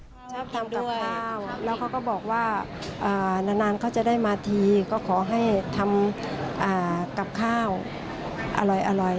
เขาชอบทำกับข้าวแล้วเขาก็บอกว่านานเขาจะได้มาทีก็ขอให้ทำกับข้าวอร่อย